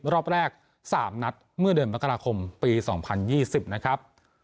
รอบแรก๓นัดเมื่อเดือนมกราคมปี๒๐๒๐นะครับ